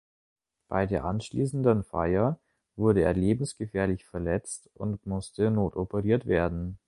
Bei der anschließenden Feier wurde er lebensgefährlich verletzt und musste notoperiert werden.